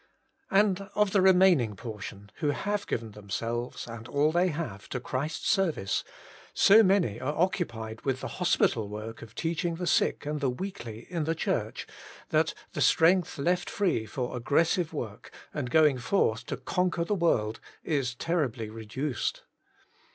And of the remaining portion, who have given themselves and all they have to Christ's service, so many are occu pied with the hospital work of teaching the sick and the weakly in the Church, that the strength left free for aggressive work, and going forth to conquer the world, is terribly reduced.